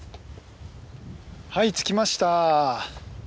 はい着きました。